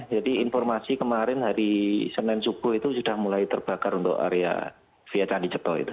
jadi informasi kemarin hari senin subuh itu sudah mulai terbakar untuk area via tandijepo itu